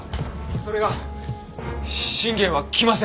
それが信玄は来ません。